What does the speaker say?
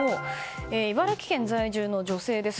茨城県在住の女性です。